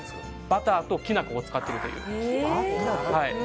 バターときな粉を使っています。